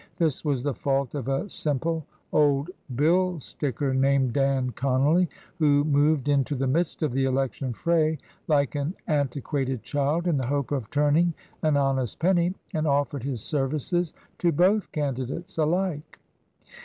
This was the fault of a simple old bill sticker named Dan ConoUy, who moved into the midst of the election fray like an anti quated child in the hope of turning an honest penny, and offered his services to both candidates alike.